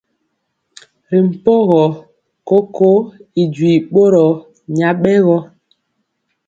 Ri mpogɔ koko y duii bɔro nyabɛgɔ.